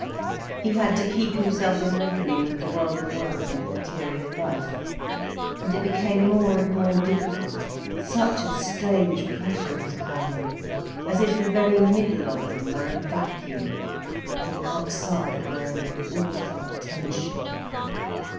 He had to keep himself in reckoning with the world of work and material life. And it became more and more difficult, such a strange pressure was upon him, as if the very middle of him were a vacuum, and outside were an awful tension.